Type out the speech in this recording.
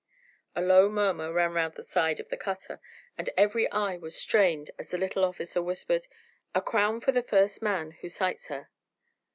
A low murmur ran round the side of the cutter, and every eye was strained as the little officer whispered, "A crown for the first man who sights her."